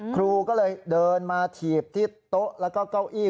ครูก็เลยเดินมาถีบที่โต๊ะแล้วก็เก้าอี้